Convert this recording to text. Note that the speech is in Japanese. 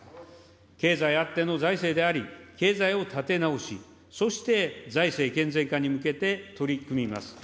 経済あっての財政であり、経済を立て直し、そして財政健全化に向けて取り組みます。